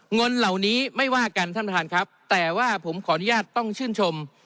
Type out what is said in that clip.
เงินเหล่านี้ไม่ว่ากันท่านประธานครับแต่ว่าผมขออนุญาตต้องชื่นชม